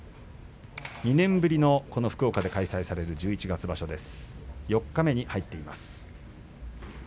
２年ぶりの福岡で開催される九州場所です。